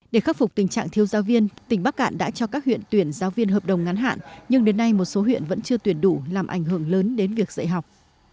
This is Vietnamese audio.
để khắc phục tình trạng thiếu giáo viên tỉnh bắc cạn đã cho các huyện tuyển giáo viên hợp đồng ngắn hạn nhưng đến nay một số huyện vẫn chưa tuyển đủ làm ảnh hưởng lớn đến việc dạy học